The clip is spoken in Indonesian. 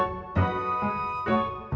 soalnya ntar balik ntar muslim itu mati